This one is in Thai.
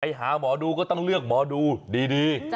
หาหมอดูก็ต้องเลือกหมอดูดี